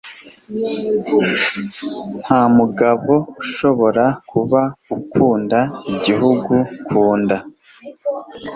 Nta mugabo ushobora kuba ukunda igihugu ku nda.